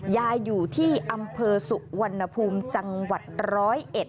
อยู่ที่อำเภอสุวรรณภูมิจังหวัดร้อยเอ็ด